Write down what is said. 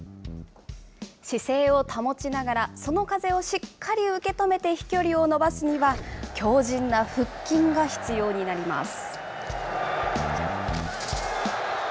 姿勢を保ちながら、その風をしっかり受け止めて飛距離を伸ばすには、強じんな腹筋が必要になります。